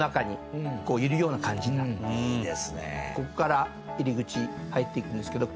ここから入り口入っていくんですけど